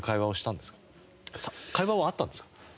会話はあったんですか？